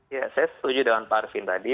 saya setuju dengan pak arvin tadi